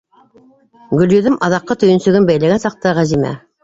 Гөлйөҙөм аҙаҡҡы төйөнсөгөн бәйләгән саҡта, Ғәзимә: